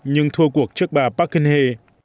nhưng thua cuộc trước bà park geun hye